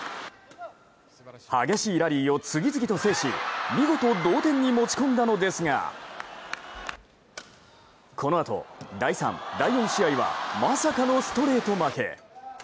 激しいラリーを次々を制し見事、同点に持ち込んだのですがこのあと第３・第４試合はまさかのストレート負け。